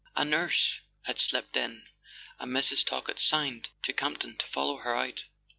A nurse had slipped in, and Mrs. Talkett signed to Campton to follow her out.